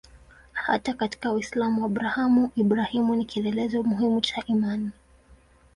Hata katika Uislamu Abrahamu-Ibrahimu ni kielelezo muhimu cha imani.